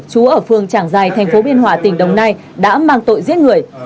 chú ở phường tràng giài tp biên hòa tỉnh đồng nai đã mang tội giết người